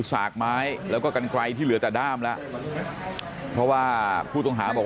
สากไม้แล้วก็กันไกลที่เหลือแต่ด้ามแล้วเพราะว่าผู้ต้องหาบอก